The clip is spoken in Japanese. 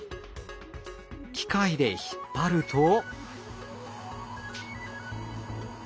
機械で引っ張ると。